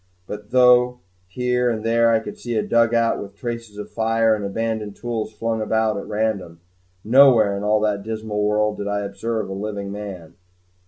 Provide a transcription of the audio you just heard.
But though here and there I could see a dugout, with traces of fire and abandoned tools flung about at random, nowhere in all that dismal world did I observe a living man.